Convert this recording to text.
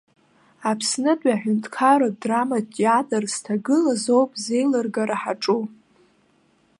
Аԥснытәи аҳәынҭқарратә драматә театр зҭагылаз ауп зеилыргара ҳаҿу.